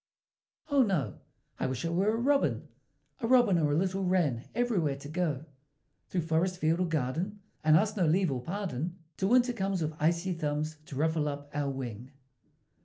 O no! I wish I were a Robin, A Robin or a little Wren, everywhere to go; Through forest, field, or garden, And ask no leave or pardon, Till Winter comes with icy thumbs To ruffle up our wing!